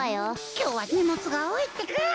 きょうはにもつがおおいってか！